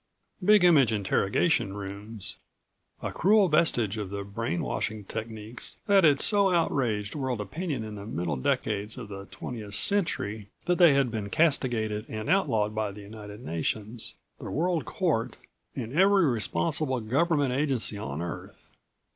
Big Image interrogation rooms a cruel vestige of the brain washing techniques that had so outraged world opinion in the middle decades of the twentieth century that they had been castigated and outlawed by the United Nations, the World Court and every responsible Governmental agency on Earth.